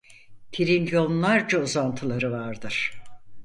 Trilyonlarca uzantıları vardır.